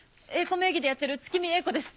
名義でやってる月見英子です！